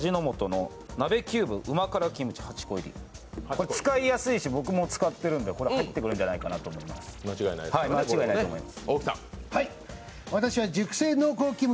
これ使いやすいし僕も使ってるんでこれ入ってくるんじゃないかなと思います、間違いないと思います。